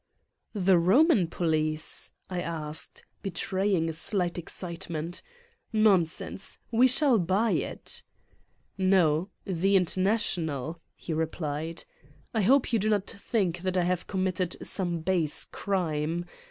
'' "The Roman police," I asked, betraying a slight excitement. "Nonsense, we shall buy it." 41 Satan's Diary "No, the international," he replied. "I hope you do not think that I have committed some base crime.